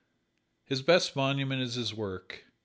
His best monument is his work.